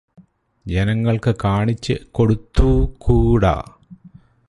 ജനങ്ങൾക്ക് കാണിച്ചു കൊടുത്തൂക്കൂടാ